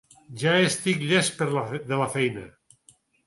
Ja estic llest de la feina.